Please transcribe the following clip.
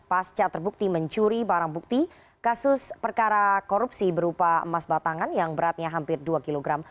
pasca terbukti mencuri barang bukti kasus perkara korupsi berupa emas batangan yang beratnya hampir dua kg